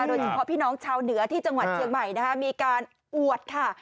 โดยเฉพาะพี่น้องชาวเหนือที่จังหวัดเชียงใหม่นะคะมีการอวดค่ะ